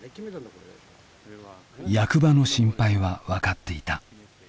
役場の心配は分かっていた。